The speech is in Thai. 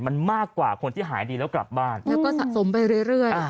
มันมากกว่าคนที่หายดีแล้วกลับบ้านแล้วก็สะสมไปเรื่อย